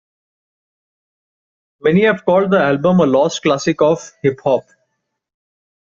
Many have called the album a lost classic of hip hop.